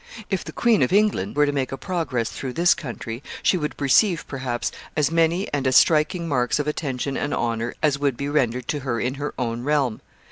If the Queen of England were to make a progress through this country, she would receive, perhaps, as many and as striking marks of attention and honor as would be rendered to her in her own realm.